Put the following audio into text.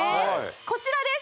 こちらです！